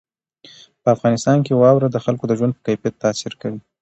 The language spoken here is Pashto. په افغانستان کې واوره د خلکو د ژوند په کیفیت تاثیر کوي.